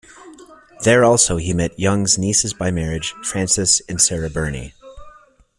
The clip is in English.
There also he met Young's nieces by marriage, Frances and Sarah Burney.